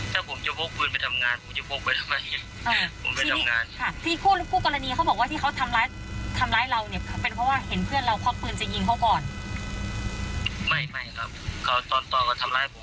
เป็นเพราะว่าเห็นเพื่อนเราพอปืนจะยิงเขาก่อนไม่ไม่ครับเขาตอนตอนเขาทำร้ายผม